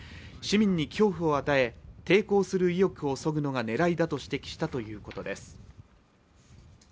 市民に恐怖を与え抵抗する意欲をそぐのが狙いだ」と指摘したということです。